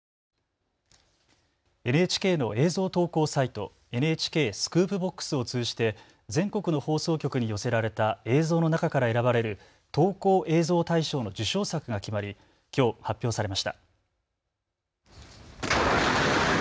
ＮＨＫの映像投稿サイト、ＮＨＫスクープＢＯＸを通じて全国の放送局に寄せられた映像の中から選ばれる投稿映像大賞の受賞作が決まりきょう発表されました。